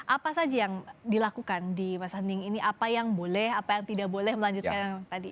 apa saja yang dilakukan di mas handing ini apa yang boleh apa yang tidak boleh melanjutkan tadi